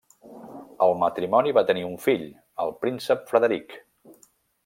El matrimoni va tenir un fill, el príncep Frederic.